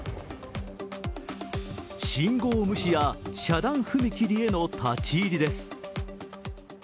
信号無視や遮断踏切への立ち入りです。